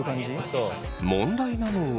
問題なのは。